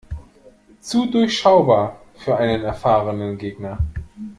Zu durchschaubar für einen erfahrenen Gegner.